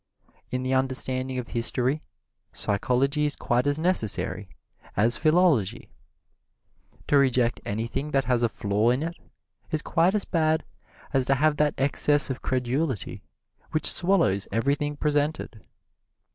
In the understanding of history, psychology is quite as necessary as philology. To reject anything that has a flaw in it is quite as bad as to have that excess of credulity which swallows everything presented.